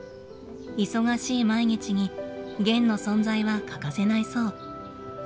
忙しい毎日にゲンの存在は欠かせないそう。